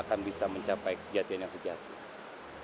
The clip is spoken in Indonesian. tebihan hendaknya membuat kita semakin tawadu